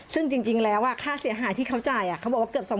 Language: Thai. ซึ่งจริงแล้วค่าเสียหายที่เขาจ่ายเขาบอกว่าเกือบ๒๐๐